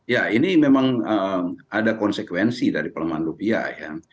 ya ini memang ada konsekuensi dari pelemahan rupiah ya